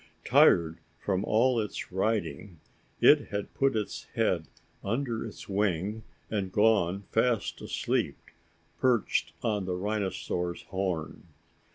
Tired from all its riding, it had put its head under its wing and gone fast asleep, perched on the rhinosaur's horn.